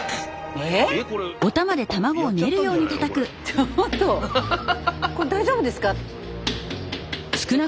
ちょっとこれ大丈夫ですか？